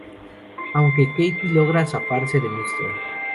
Aunque Katie logra zafarse de Mr.